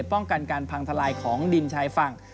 ป้องกันการพังทลายของดินชายฝั่ง